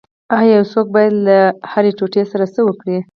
ایا یو څوک باید له هرې ټوټې سره څه وکړي